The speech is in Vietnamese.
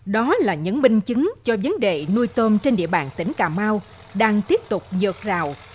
đó là những minh chứng cho vấn đề nuôi tôm trên địa bàn tỉnh cà mau đang tiếp tục dược rào